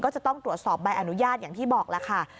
ก็จะต้องตรวจสอบใบอนุญาตอย่างที่บอกล่ะค่ะ